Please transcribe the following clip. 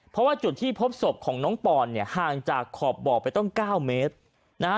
เพราะว่าจุดที่พบศพของน้องปอนเนี่ยห่างจากขอบบ่อไปต้องเก้าเมตรนะฮะ